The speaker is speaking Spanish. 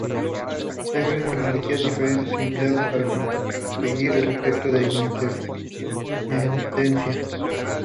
Hay varias tecnologías diferentes empleadas para conseguir el efecto de intermitencia.